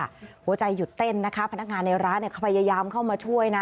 หัวใจหยุดเต้นนะคะพนักงานในร้านเขาพยายามเข้ามาช่วยนะ